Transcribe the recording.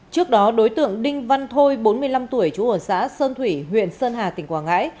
trước đó đối tượng đinh văn thôi bốn mươi năm tuổi chủ hồn xã sơn thủy huyện sơn hà tp vũng tàu